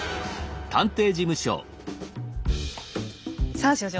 さあ所長